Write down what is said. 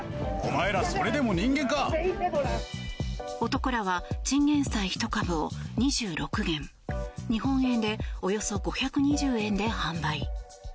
男らはチンゲンサイ１株を２６元日本円でおよそ５２０円で販売。